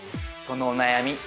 そのお悩み